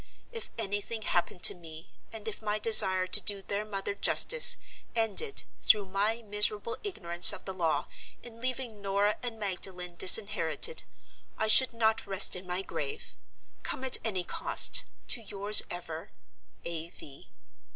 If anything happened to me, and if my desire to do their mother justice, ended (through my miserable ignorance of the law) in leaving Norah and Magdalen disinherited, I should not rest in my grave! Come at any cost, to yours ever, "A. V."